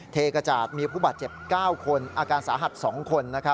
เทกระจาดมีผู้บาดเจ็บ๙คนอาการสาหัส๒คน